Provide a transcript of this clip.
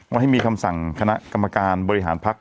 ว่าให้มีคำสั่งคณะกรรมการบริหารภักดิ